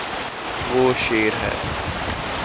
وہ شیر ہے